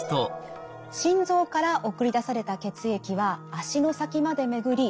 心臓から送り出された血液は足の先まで巡り